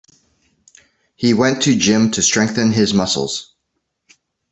He went to gym to strengthen his muscles.